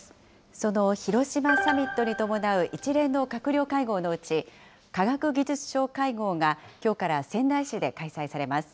その広島サミットに伴う一連の閣僚会合のうち、科学技術相会合がきょうから仙台市で開催されます。